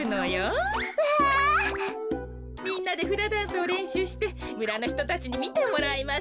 みんなでフラダンスをれんしゅうしてむらのひとたちにみてもらいましょう。